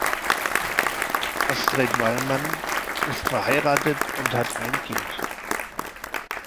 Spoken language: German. Astrid Wallmann ist verheiratet und hat ein Kind.